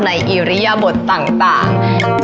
ในอิริยบทต่างต่าง